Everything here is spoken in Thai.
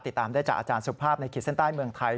ติดตามได้จากอาจารย์สุภาพในขีดเส้นใต้เมืองไทย